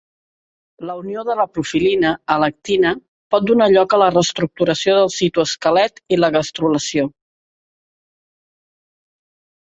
La unió de la profilina a l'actina pot donar lloc a la reestructuració del citoesquelet i la gastrulació.